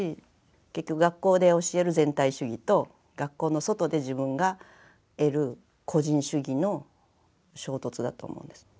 結局学校で教える全体主義と学校の外で自分が得る個人主義の衝突だと思うんです。